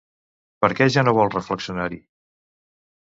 Per què ja no vol reflexionar-hi?